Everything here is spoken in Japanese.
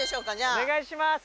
お願いします。